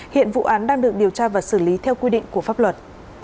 hiện vụ án đang được điều tra và xử lý theo quy định của pháp luật